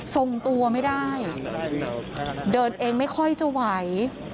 ส่งตัวไม่ได้เดินเองไม่ค่อยจะไหว